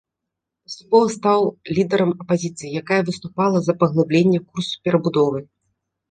Паступова стаў лідарам апазіцыі, якая выступала за паглыбленне курсу перабудовы.